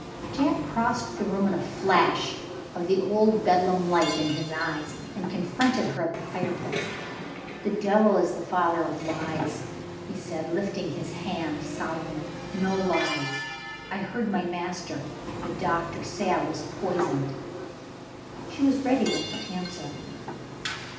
Jack crossed the room, with a flash of the old Bedlam light in his eyes, and confronted her at the fire place. "The devil is the father of lies," he said, lifting his hand solemnly. "No lies! I heard my master the Doctor say I was poisoned." She was ready with her answer.